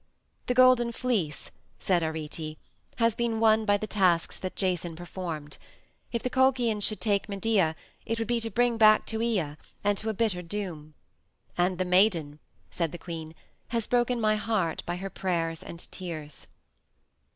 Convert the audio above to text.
"The Golden Fleece," said Arete, "has been won by the tasks that Jason performed. If the Colchians should take Medea, it would be to bring her back to Aea and to a bitter doom. And the maiden," said the queen, "has broken my heart by her prayers and tears."